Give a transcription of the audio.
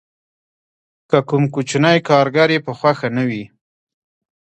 که کوم کوچنی کارګر یې په خوښه نه وي